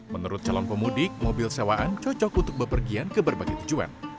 menurut calon pemudik mobil sewaan cocok untuk bepergian ke berbagai tujuan